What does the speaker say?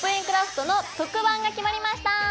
クラフト」の特番が決まりました！